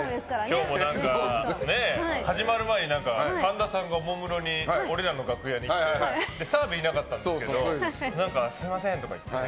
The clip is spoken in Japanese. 今日も始まる前に神田さんがおもむろに俺らの楽屋に来て澤部いなかったんですけどすみませんとか言って。